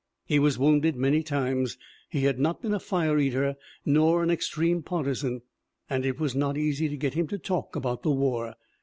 He was wounded many times. He had not been a fire eater nor an extreme partisan and it was not easy to get him to talk about the war.